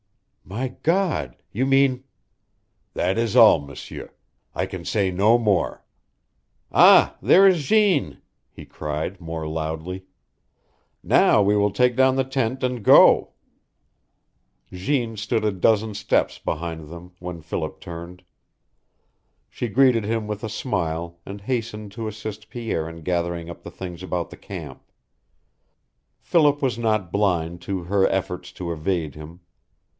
"My God, you mean " "That is all, M'sieur. I can say no more. Ah, there is Jeanne!" he cried, more loudly. "Now we will take down the tent, and go." Jeanne stood a dozen steps behind them when Philip turned. She greeted him with a smile, and hastened to assist Pierre in gathering up the things about the camp. Philip was not blind to her efforts to evade him.